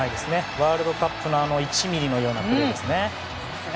ワールドカップの１ｍｍのようなプレーですね。